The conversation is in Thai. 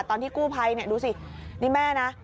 ตอนที่กู้ภัยดูสินี่แม่นะ